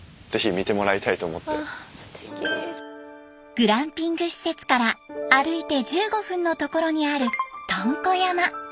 グランピング施設から歩いて１５分の所にあるとんこ山。